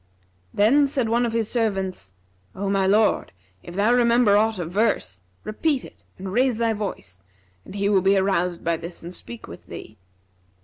Then said one of his servants, 'O my lord, if thou remember aught of verse, repeat it and raise thy voice; and he will be aroused by this and speak with thee.'